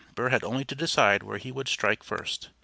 Burr had only to decide where he would strike first.